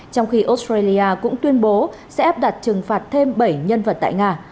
trong khi australia cũng tuyên bố sẽ áp đặt trừng phạt thêm bảy nhân vật tại nga